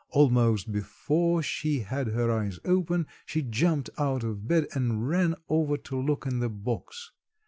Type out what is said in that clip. Almost before she had her eyes open she jumped out of bed and ran over to look in the box.